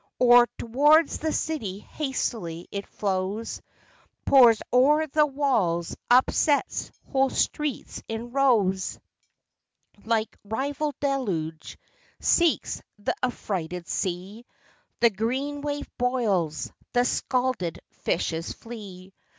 Or tow'rds the city hastily it flows, Pours o'er the walls, upsets whole streets in rows. Like rival deluge, seeks th' affrighted sea; The green wave boils, the scalded fishes flee.